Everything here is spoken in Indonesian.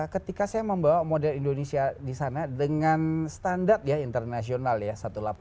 ketika saya membawa model indonesia di sana dengan standar ya internasional ya